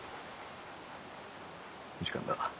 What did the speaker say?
時間だ。